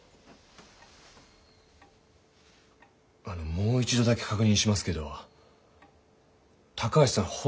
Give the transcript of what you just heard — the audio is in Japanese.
あのもう一度だけ確認しますけど高橋さん